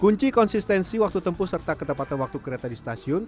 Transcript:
kunci konsistensi waktu tempuh serta ketepatan waktu kereta di stasiun